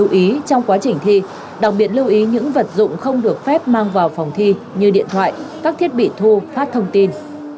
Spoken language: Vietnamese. chú ý trong quá trình thi đặc biệt lưu ý những vật dụng không được phép mang vào phòng thi như điện thoại các thiết bị thu phát thông tin